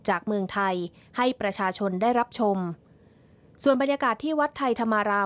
จากเมืองไทยให้ประชาชนได้รับชมส่วนบรรยากาศที่วัดไทยธรรมาราม